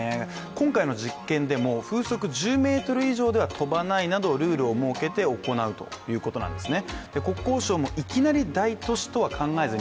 今回の実験でも風速１０メートル以上では飛ばないなどルールを設けて行うということなんですね。